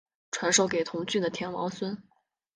传授给同郡的田王孙。